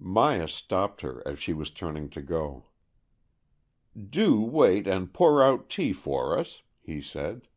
Myas stopped her as she was turning to go. " Do wait and pour out tea for us," he said.